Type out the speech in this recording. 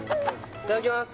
いただきます